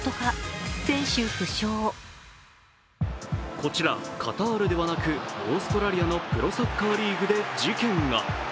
こちら、カタールではなくオーストラリアのプロサッカーリーグで事件が。